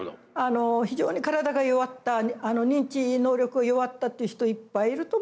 非常に体が弱った認知能力が弱ったっていう人いっぱいいると思うんです。